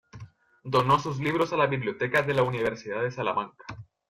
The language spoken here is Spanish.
Donó sus libros a la biblioteca de la Universidad de Salamanca.